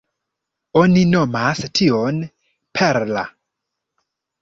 Oni nomas tion "perla".